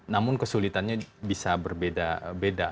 namun kesulitannya bisa berbeda beda